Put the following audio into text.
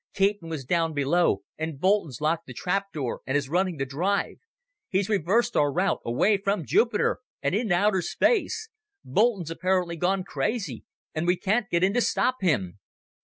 Caton was down below and Boulton's locked the trap door and is running the drive. He's reversed our route, away from Jupiter, and into outer space! Boulton's apparently gone crazy! And we can't get in to stop him!"